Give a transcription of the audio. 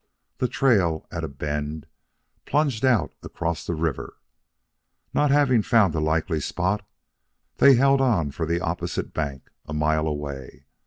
The trail, at a bend, plunged out across the river. Not having found a likely spot, they held on for the opposite bank a mile away.